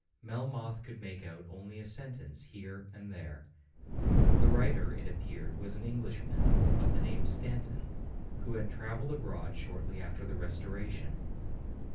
—Melmoth could make out only a sentence here and there. The writer, it appeared, was an Englishman of the name of Stanton, who had travelled abroad shortly after the Restoration.